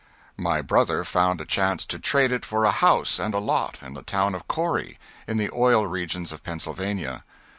My brother found a chance to trade it for a house and lot in the town of Corry, in the oil regions of Pennsylvania.